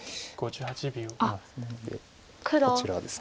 あっなのでこちらですか。